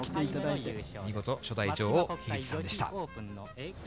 初代女王の樋口さんでした。